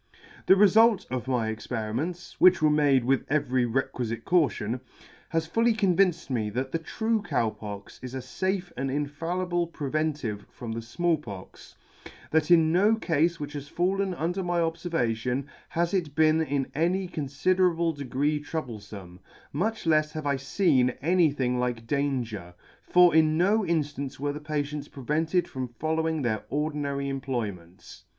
" The refult of my experiments (which were made with every requifite caution) has fully convinced me that the true Cow Pox is a fafe and infallible preventive from the Small Pox ; that in no cafe which has fallen under my obfervation has it been in any confiderable degree troublefome, much lefs have I feen any thing like danger ; for in no inftance were the patients prevented from following their ordinary employments.